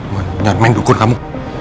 menyan main dukun kamu